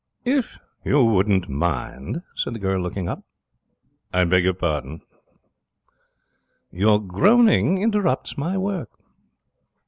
'If you wouldn't mind,' said the girl, looking up. 'I beg your pardon?' 'Your groaning interrupts my work.'